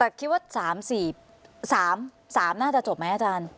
แต่คิดว่า๓๔๓น่าจะจบไหมอาจารย์